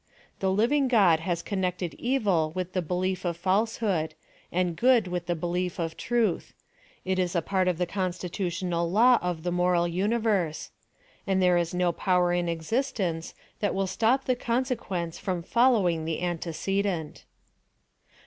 The i^ivinof God has connected evil with the belief of falseliood, and good with the belief of truth ; it is a part of the constitutional law of the moral universe ; and there is no power in existence, that will stop the consequence ftoni following the antecedent.